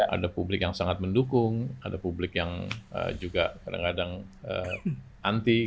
ada publik yang sangat mendukung ada publik yang juga kadang kadang anti